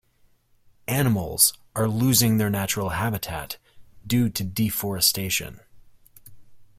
Animals are losing their natural habitat due to deforestation.